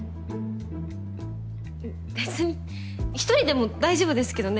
べべつに１人でも大丈夫ですけどね。